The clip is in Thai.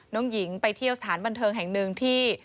น้องหญิงไปเที่ยวสถานบันเทิงแห่งหนึ่งที่